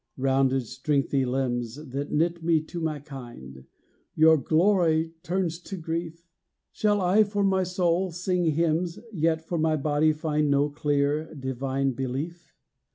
Rounded, strengthy limbs That knit me to my kind Your glory turns to grief! Shall I for my soul sing hymns, Yet for my body find No clear, divine belief?